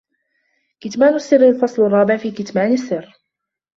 كِتْمَانُ السِّرِّ الْفَصْلُ الرَّابِعُ فِي كِتْمَانِ السِّرِّ